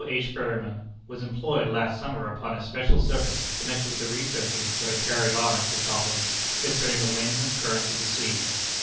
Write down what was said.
H. Berryman, was employed last summer upon especial service connected with the researches that are carried on at this office concerning the winds and currents of the sea.